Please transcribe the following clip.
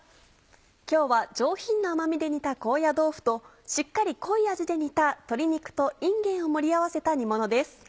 今日は上品な甘みで煮た高野豆腐としっかり濃い味で煮た鶏肉といんげんを盛り合わせた煮ものです。